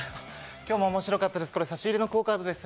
今日も面白かったです、これ差し入れのクオカードです。